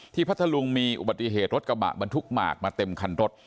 พัทธลุงมีอุบัติเหตุรถกระบะบรรทุกหมากมาเต็มคันรถ